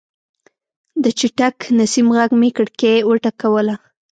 د چټک نسیم غږ مې کړکۍ وټکوله.